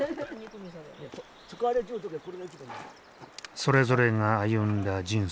それぞれが歩んだ人生。